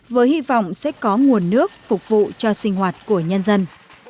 với hy vọng sẽ có nguồn nước phục vụ cho sinh hoạt của nhân dân